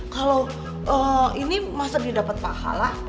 kalau ini masa didapat pahala